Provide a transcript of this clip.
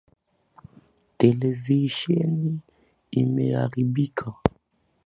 Televisheni imeharibika.